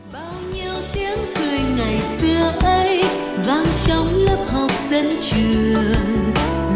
bao nhiêu tiếng cười ngày xưa ấy vang trong lớp học dân trường